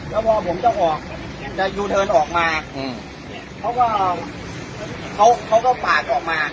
แล้วพอผมจะออกจะยูเทิร์นออกมาเขาก็ปาดออกมา